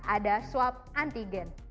ada swab antigen